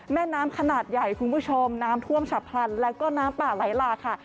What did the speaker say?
แม่น้ำขนาดใหญ่คุณผู้ชมน้ำท่วมฉับพลันแล้วก็น้ำป่าไหลหลากค่ะ